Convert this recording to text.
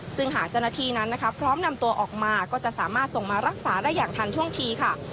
ซึ่งหากเจ้าหน้าที่นั้นนะคะพร้อมนำตัวออกมาก็จะสามารถส่งมารักษาได้อย่างทันท่วงทีค่ะ